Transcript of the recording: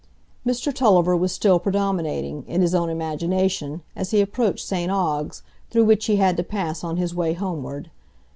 Mr Tulliver was still predominating, in his own imagination, as he approached St Ogg's, through which he had to pass on his way homeward.